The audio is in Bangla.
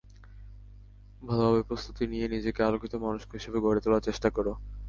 ভালোভাবে প্রস্তুতি নিয়ে নিজেকে আলোকিত মানুষ হিসেবে গড়ে তোলার চেষ্টা করো।